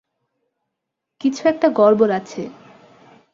কিছু একটা গড়বর আছে।